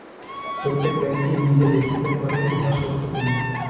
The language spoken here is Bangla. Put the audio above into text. প্রত্যেক ব্যক্তিই নিজে দেখিতে পারে, উহা সত্য কিনা।